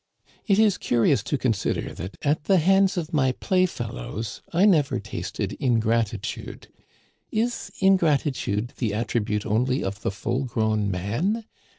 It is curious to consider that, at the hands of my playfellows, I never tasted ingratitude. Is ingratitude the attribute only of the full grown man